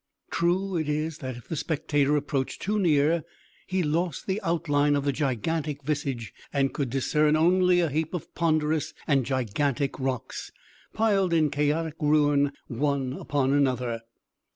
True it is, that if the spectator approached too near, he lost the outline of the gigantic visage, and could discern only a heap of ponderous and gigantic rocks, piled in chaotic ruin one upon another.